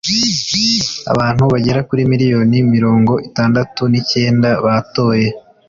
abantu bagera kuri miliyoni mirongo itandatu n'icyenda batoye